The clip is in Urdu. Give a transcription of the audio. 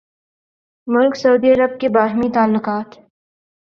ملک سعودی عرب کے باہمی تعلقات